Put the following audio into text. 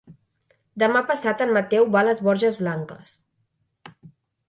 Demà passat en Mateu va a les Borges Blanques.